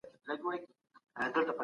حقایق باید له راتلونکي نسل څخه پټ نه سي.